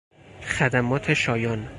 خدمات شایان